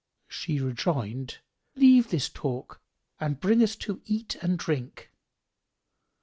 She rejoined, "Leave this talk and bring us to eat and drink."